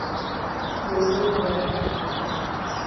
เจอเรื่องแย่